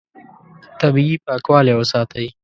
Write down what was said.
طبیعي پاکوالی وساتئ.